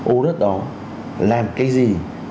ô đất đó làm cái gì